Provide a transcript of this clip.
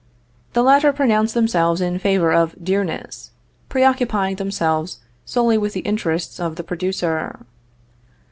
The latter pronounce themselves in favor of dearness, preoccupying themselves solely with the interests of the producer.